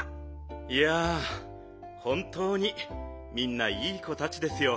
いやほんとうにみんないい子たちですよ。